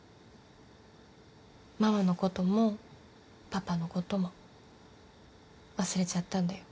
ママのこともパパのことも忘れちゃったんだよ。